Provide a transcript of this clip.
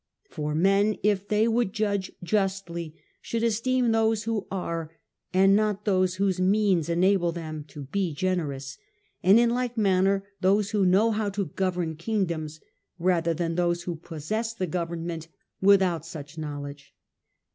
For men, if they would judge justly, should esteem those who are, and not those whose means enable them to be generous; and in like manner those who know how to govern kingdoms, rather than those who possess the government without such knowledge.